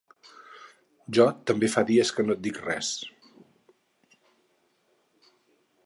Jo també fa dies que no et dic res.